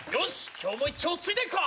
今日も一丁ついていくか！